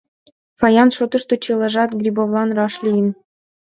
Фаян шотышто чылажат Грибовлан раш лийын.